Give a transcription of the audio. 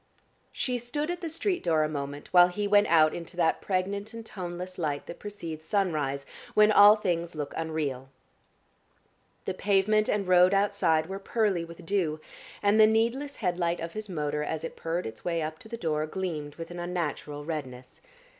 She stood at the street door a moment, while he went out into that pregnant and toneless light that precedes sunrise, when all things look unreal. The pavement and road outside were pearly with dew, and the needless head light of his motor as it purred its way up to the door gleamed with an unnatural redness.